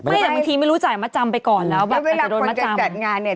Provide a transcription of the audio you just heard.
บางทีไม่รู้จักมะจำไปก่อนแล้วแบบจะโดนมะจำ